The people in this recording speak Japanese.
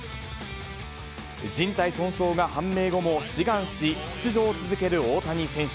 じん帯損傷が判明後も志願し、出場を続ける大谷選手。